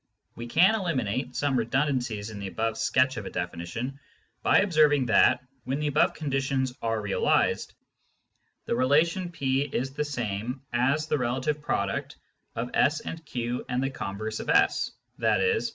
We can eliminate some redundancies in the above sketch of a definition, by observing that, when the above conditions are realised, the relation P is the same as the relative product of S and Q and the converse of S, i.e.